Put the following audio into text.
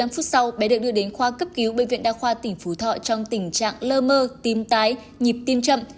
một mươi phút sau bé được đưa đến khoa cấp cứu bệnh viện đa khoa tỉnh phú thọ trong tình trạng lơ mơ tim tái nhịp tim chậm